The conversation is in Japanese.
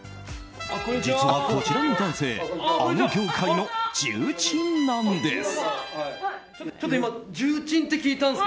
実は、こちらの男性あの業界の重鎮なんです。